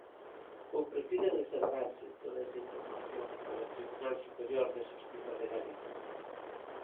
¿Ou prefire reservarse toda esa información para o Tribunal Superior de Xustiza de Galicia?